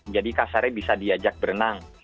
jadi kasarnya bisa diajak berenang